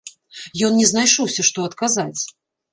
Ён не знайшоўся што адказаць.